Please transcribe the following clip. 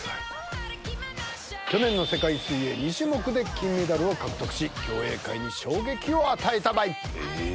去年の世界水泳２種目で金メダルを獲得し競泳界に衝撃を与えたばい。